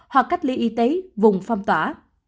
hoặc cách ly y tế vùng phong tỏa